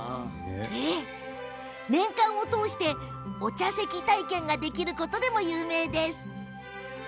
年間を通して、お茶席体験ができることでも有名です。